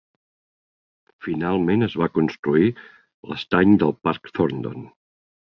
Finalment es va construir l'estany del Parc Thorndon.